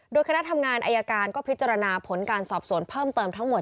โดยคณะทำงานอายการก็พิจารณาผลการสอบสวนเพิ่มเติมทั้งหมด